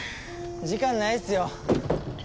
時間ないっすよ。